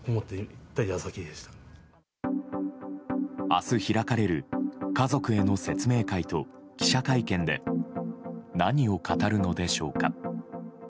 明日、開かれる家族への説明会と記者会見で何を語るのでしょうか。